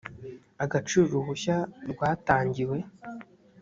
agaciro uruhushya rwatangiwe